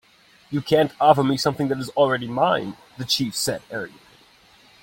"You can't offer me something that is already mine," the chief said, arrogantly.